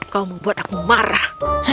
kau membuat aku marah